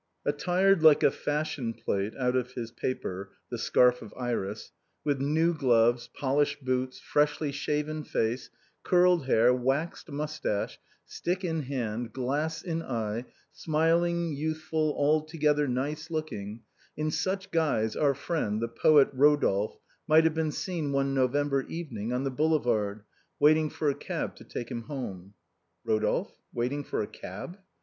Attired like a fashion plate out of his paper, the " Scarf of Iris/' with new gloves, polished boots, freshly shaven face, curled hair, waxed moustache, stick in hand, glass in eye, smiling, youthful, altogether nice looking, in such guise our friend, the poet Eodolphe, might have been seen one November evening on the boulevard waiting for a cab to take him home. Rodolphe waiting for a cab?